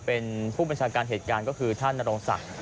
เป็นผู้บัญชาการเหตุการณ์ก็คือท่านนโรงศักดิ์